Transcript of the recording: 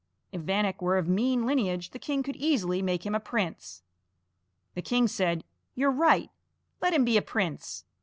If Vanek were of mean lineage the king could easily make him a prince. The king said: "You're right; let him be a prince!"